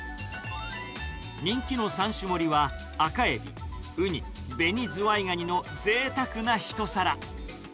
人気の３種盛りは、赤エビ、ウニ、ベニズワイガニのぜいたくな一皿。